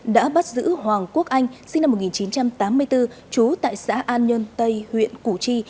đã bắt giữ hoàng quốc anh sinh năm một nghìn chín trăm tám mươi bốn trú tại xã an nhơn tây huyện củ chi